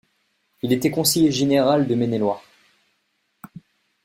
Il était conseiller général de Maine-et-Loire.